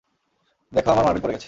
দেখ আমার মার্বেল পড়ে গেছে।